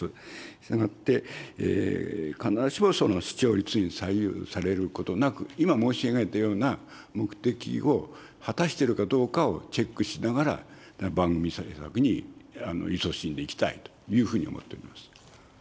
したがって、必ずしもその視聴率に左右されることなく、今申し上げたような目的を果たしているかどうかをチェックしながら、番組制作にいそしんでいきたいというふうに思っております。